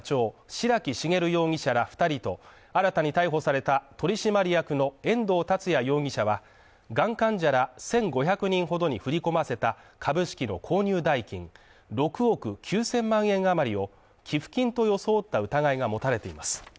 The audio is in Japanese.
白木茂容疑者ら２人と新たに逮捕された取締役の遠藤達矢容疑者は、がん患者ら１５００人ほどに振り込ませた株式の購入代金６億９０００万円余りを寄付金と装った疑いが持たれています。